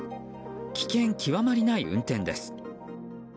危険極まりない運転です。